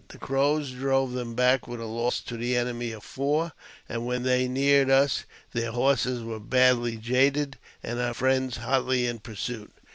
The Crows drove them back with a loss to the enemy of four ; and when they neared us, their horses were badly jaded, and our friends hotly in pursuit.